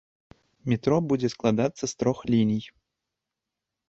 Метро будзе складацца з трох ліній.